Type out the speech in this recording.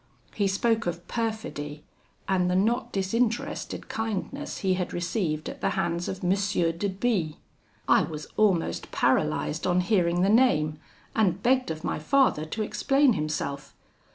He spoke of perfidy, and the not disinterested kindness he had received at the hands of M. de B . I was almost paralysed on hearing the name, and begged of my father to explain himself.